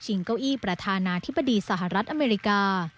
เก้าอี้ประธานาธิบดีสหรัฐอเมริกา